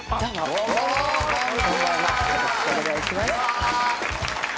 よろしくお願いします。